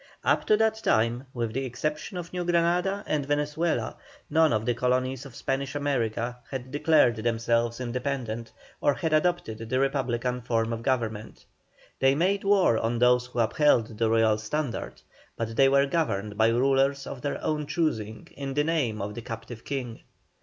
Up to that time, with the exception of New Granada and Venezuela, none of the colonies of Spanish America had declared themselves independent, or had adopted the republican form of government. They made war on those who upheld the Royal standard, but they were governed by rulers of their own choosing in the name of the captive King.